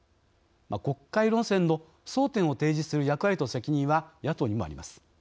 国会論戦の争点を提示する役割と責任は野党にもあります。